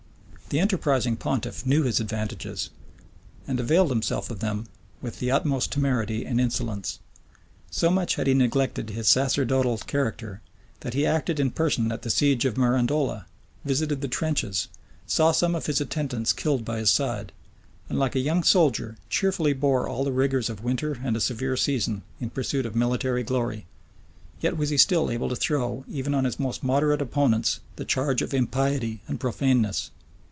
The enterprising pontiff knew his advantages, and availed himself of them with the utmost temerity and insolence. So much had he neglected his sacerdotal character, that he acted in person at the siege of Mirandola, visited the trenches, saw some of his attendants killed by his side, and, like a young soldier, cheerfully bore all the rigors of winter and a severe season, in pursuit of military glory:[] yet was he still able to throw, even on his most moderate opponents, the charge of impiety and profaneness.